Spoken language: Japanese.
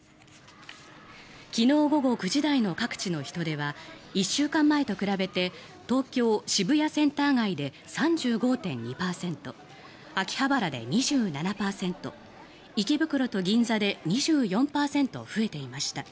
昨日午後９時台の各地の人出は１週間前と比べて東京・渋谷センター街で３５．２％秋葉原で２７％池袋と銀座で２４％増えていました。